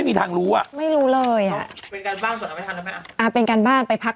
เอ๊ะเราจะทานอะไรกัน